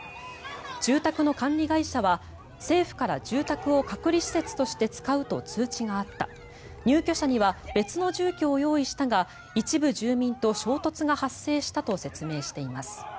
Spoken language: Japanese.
住宅の管理会社は政府から住宅を隔離施設として使うと通知があった入居者には別の住居を用意したが一部住民と衝突が発生したと説明しています。